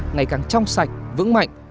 ngày càng trong sạch vững mạnh